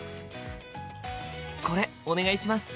これお願いします！